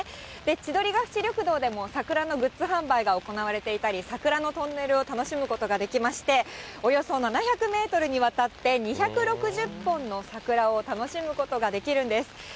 千鳥ヶ淵緑道でも、桜のグッズ販売が行われていたり、桜のトンネルを楽しむことができまして、およそ７００メートルにわたって、２６０本の桜を楽しむことができるんです。